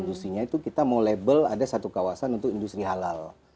industri nya itu kita mau label ada satu kawasan untuk industri halal